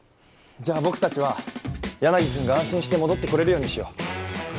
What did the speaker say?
じゃあ僕たちは柳くんが安心して戻ってこれるようにしよう。